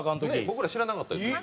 僕ら知らなかったです。